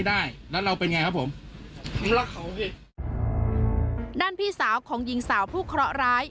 ด้านพี่สาวของหญิงสาวผู้เคราะห์ร้าย